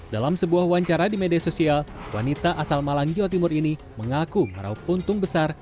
dalam sebuah wancara di media sosial wanita asal malang jawa timur ini mengaku meraup untung besar